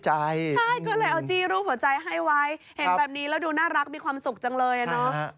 เห็นแบบนี้แล้วดูน่ารักมีความสุขจังเลยนะ